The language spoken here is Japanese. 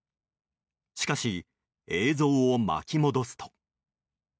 しかし、映像を巻き戻すと。